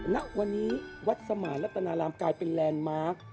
ณวันนี้วัดสมานรัตนารามกลายเป็นแลนด์มาร์ค